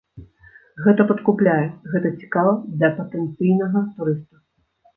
Гэта падкупляе, гэта цікава для патэнцыйнага турыста.